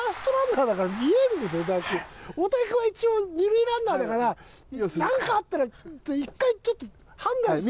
大谷君は一応二塁ランナーだからなんかあったらって１回ちょっと判断して。